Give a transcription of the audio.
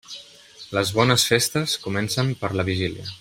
Les bones festes comencen per la vigília.